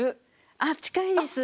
あっ近いです。